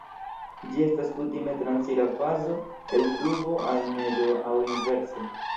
Ĝi estas kutime transira fazo el pluvo al neĝo aŭ inverse.